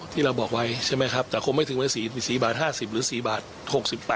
ที่เราบอกไว้ใช่ไหมครับแต่คงไม่ถึงไป๔๕๐หรือ๔๖๘สตางค์